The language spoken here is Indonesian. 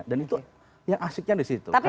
dan itu yang asiknya di situ